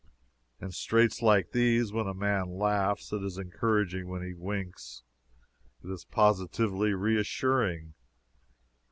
In straits like these, when a man laughs, it is encouraging when he winks, it is positively reassuring.